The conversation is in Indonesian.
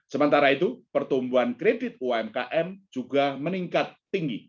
sementara itu pertumbuhan kredit umkm juga meningkat tinggi